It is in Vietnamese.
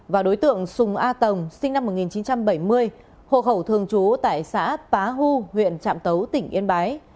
và đối tượng sùng a tồng sinh năm một nghìn chín trăm bảy mươi hộ khẩu thường trú tại xã pá hưu huyện trạm tấu tỉnh yên bái